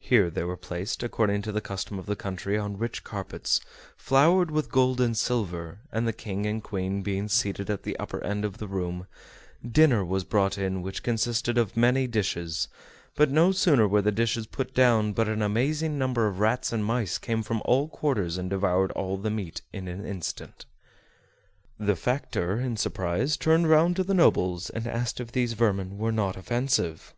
Here they were placed, according to the custom of the country, on rich carpets, flowered with gold and silver; and the King and Queen being seated at the upper end of the room, dinner was brought in, which consisted of many dishes; but no sooner were the dishes put down but an amazing number of rats and mice came from all quarters and devoured all the meat in an instant. The factor, in surprise, turned round to the nobles and asked if these vermin were not offensive.